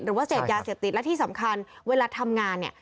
หรือว่าเสพยาเสพติดและที่สำคัญเวลาทำงานเนี่ย